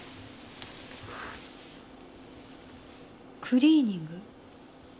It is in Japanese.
クリーニング？